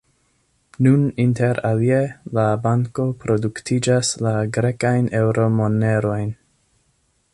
Nun, inter alie, la banko produktiĝas la grekajn eŭro-monerojn.